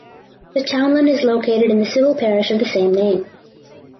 The townland is located in the civil parish of the same name.